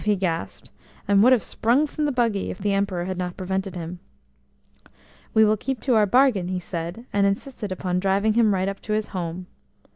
he gasped, and would have sprung from the buggy if the Emperor had not prevented him. "We will keep to our bargain," he said, and insisted upon driving him right up to his home.